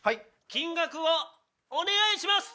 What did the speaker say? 金額をお願いします。